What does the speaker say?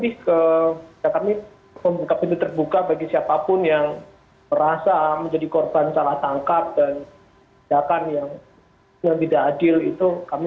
sebagai orang yang melakukan tindak kejahatan